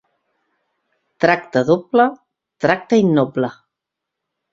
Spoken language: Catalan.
Tracte doble, tracte innoble.